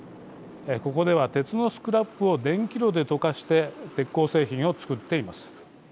ここでは鉄のスクラップを電気炉で溶かして鉄鋼製品を作っています。